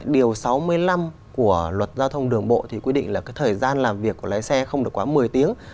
điều sáu mươi năm của luật giao thông đường bộ thì quy định là thời gian làm việc của lái xe không được quá một mươi tiếng